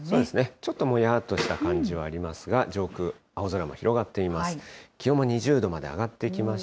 ちょっともやっとした感じはありますが、上空、青空も広がっています。